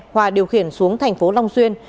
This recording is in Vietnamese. hòa điều khiển xuống thành phố long xuyên